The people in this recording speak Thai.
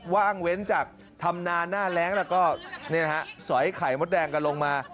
ว่างเว้นจากธรรมนาหน้าแรงแล้วก็สอยไข่มดแดงกันลงมา